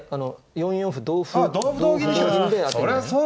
４四歩同歩同銀でやってみて。